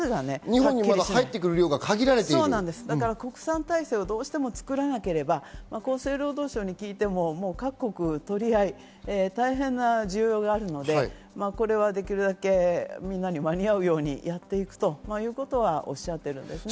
どうしても国内生産体制を作らなければ、各国取り合い、大変な需要があるので、これはできるだけみんなに間に合うようにやっていくということは、おっしゃっているんですね。